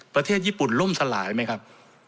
ประเทศญี่ปุ่นล่มสลายไหมครับ